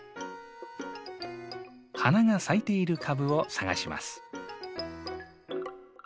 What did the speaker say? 花が咲いている株を探します。